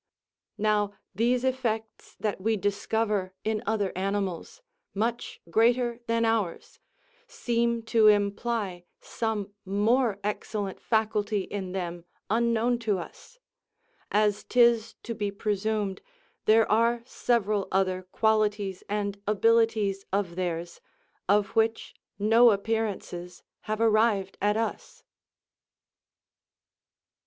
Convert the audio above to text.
Now these effects that we discover in other animals, much greater than ours, seem to imply some more excellent faculty in them unknown to us; as 'tis to be presumed there are several other qualities and abilities of theirs, of which no appearances have arrived at us.